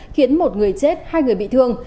khiến một người chết hai người bị thương